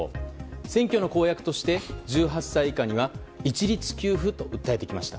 選挙の公約として１８歳以下には一律給付と訴えてきました。